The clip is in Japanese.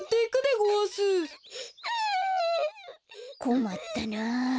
こまったな。